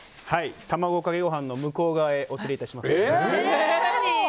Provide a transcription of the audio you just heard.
卵かけご飯の向こう側へお連れいたします。